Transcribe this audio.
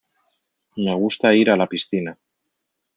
Me gusta ir a la piscina.